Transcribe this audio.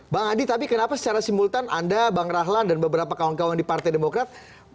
bang adi tapi kenapa secara simultan anda bang rahlan dan beberapa kawan kawan di partai demokrat